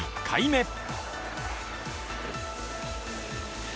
１回目。